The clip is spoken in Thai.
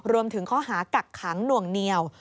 รวมถึงข้อหากักขังหน่วงเหนียว